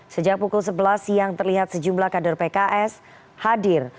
sejak pukul sebelas siang terlihat sejumlah kader pks hadir